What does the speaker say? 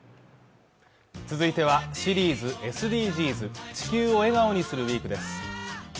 続いてはシリーズ「ＳＤＧｓ」「地球を笑顔にするＷＥＥＫ」です